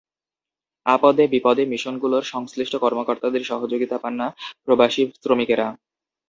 আপদে বিপদে মিশনগুলোর সংশ্লিষ্ট কর্মকর্তাদের সহযোগিতা পান না প্রবাসী শ্রমিকেরা।